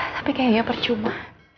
tapi kayaknya percuma